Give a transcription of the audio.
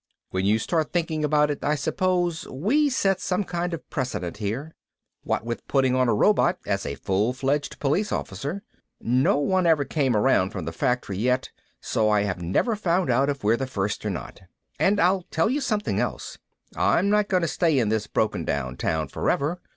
When you start thinking about it, I suppose we set some kind of precedent here. What with putting on a robot as a full fledged police officer. No one ever came around from the factory yet, so I have never found out if we're the first or not. And I'll tell you something else. I'm not going to stay in this broken down town forever.